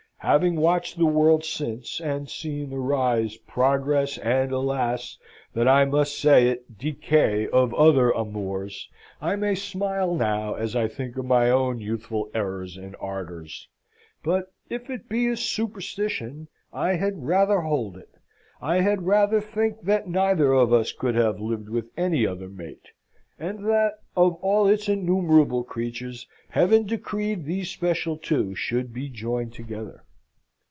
Having watched the world since, and seen the rise, progress, and alas, that I must say it! decay of other amours, I may smile now as I think of my own youthful errors and ardours; but, if it be a superstition, I had rather hold it; I had rather think that neither of us could have lived with any other mate, and that, of all its innumerable creatures, Heaven decreed these special two should be joined together.